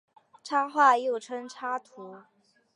插画又称插图。